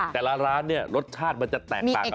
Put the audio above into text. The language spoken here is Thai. แต่ละร้านรสชาติมันจะแตกต่างกันออกไป